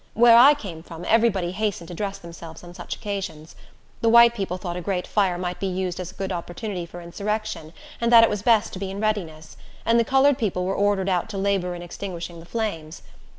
Where I came from, every body hastened to dress themselves on such occasions. The white people thought a great fire might be used as a good opportunity for insurrection, and that it was best to be in readiness; and the colored people were ordered out to labor in extinguishing the flames.